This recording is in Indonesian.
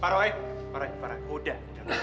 pak rai pak rai pak rai udah